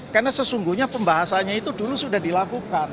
karena sesungguhnya pembahasannya itu dulu sudah dilakukan